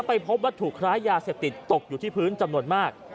ไปพบวัตถุคล้ายยาเสพติดตกอยู่ที่พื้นจำนวนมาก